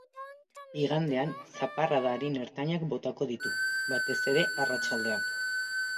Igandean zaparrada arin-ertainak botako ditu, batez ere arratsaldean.